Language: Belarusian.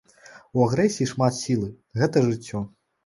У агрэсіі шмат сілы, гэта жыццё!